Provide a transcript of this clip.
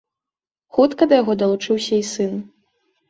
Хутка да яго далучыўся і сын.